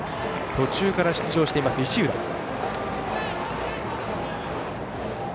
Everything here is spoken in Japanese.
途中から出場している石浦。